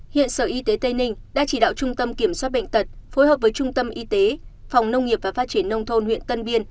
hiện sở y tế tây ninh đã chỉ đạo trung tâm kiểm soát bệnh tật phối hợp với trung tâm y tế phòng nông nghiệp và phát triển nông thôn huyện tân biên